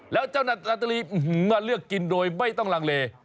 แล้วเจ้านาตาลีเลือกกินโดยไม่ต้องลังเล